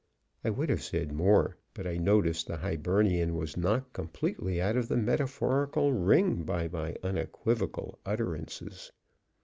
I would have said more, but I noticed the Hibernian was knocked completely out of the metaphorical ring by my unequivocal utterances.